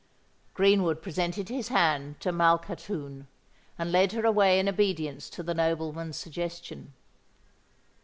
Greenwood presented his hand to Malkhatoun, and led her away in obedience to the nobleman's suggestion.